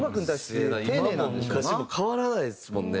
今も昔も変わらないですもんね